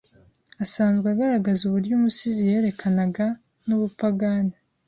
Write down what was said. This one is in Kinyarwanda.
asanzwe agaragaza uburyo umusizi yerekanaga nubupagani